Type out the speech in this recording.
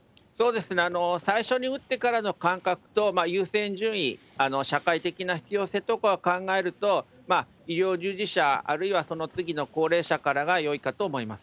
最初に打ってからの感覚と、優先順位、社会的な必要性とかを考えると、医療従事者、あるいはその次の高齢者からがよいかと思います。